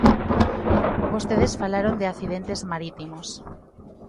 Vostedes falaron de accidentes marítimos.